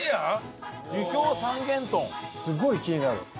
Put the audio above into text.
すごい気になる。